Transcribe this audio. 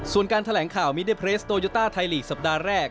ส่วนการแถลงข่าวมิเตอร์เพลสโตโยต้าไทยลีกสัปดาห์แรก